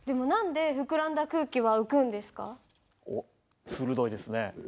でもおっ鋭いですね。